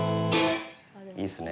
いいっすね。